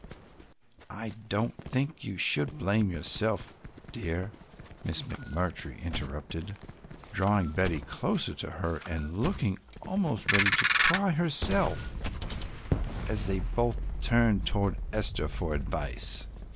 "I don't think you should blame yourself, dear," Miss McMurtry interrupted, drawing Betty closer to her and looking almost ready to cry herself as they both turned toward Esther for advice.